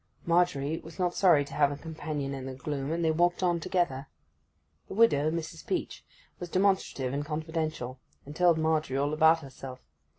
Margery was not sorry to have a companion in the gloom, and they walked on together. The widow, Mrs. Peach, was demonstrative and confidential; and told Margery all about herself.